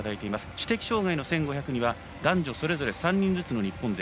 知的障がいの１５００には男女それぞれ３人ずつの日本勢。